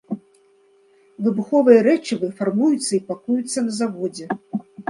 Выбуховыя рэчывы фармуюцца і пакуюцца на заводзе.